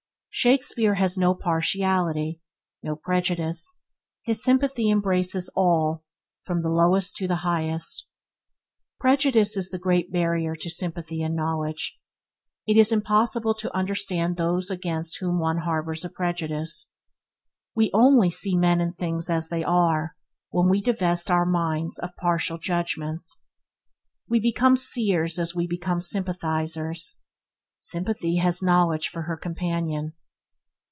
Shakespeare has no partiality, no prejudice; his sympathy embraces all, from the lowest to the highest. Prejudice is the great barrier to sympathy and knowledge. It is impossible to understand those against whom one harbours a prejudice. We only see men and things as they are when we divest our minds of partial judgements. We become seers as we become sympathizers. Sympathy has knowledge for her companion.